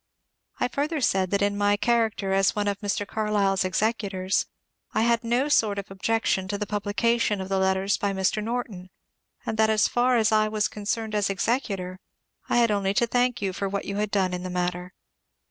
I further said that in my character as one of Mr. Carlyle's executors I had no sort of objection to the publication of the letters by Mr. Norton, and that as far as I was concerned as executor I had only to thank you for what you had done in the matter.